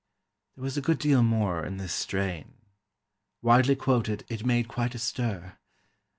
There was a good deal more in this strain. Widely quoted, it made quite a stir.